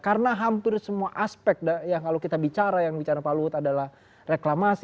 karena hampir semua aspek yang kalau kita bicara yang bicara pak luhut adalah reklamasi